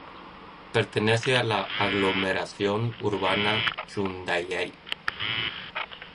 Pertenece a la Aglomeración Urbana Jundiaí.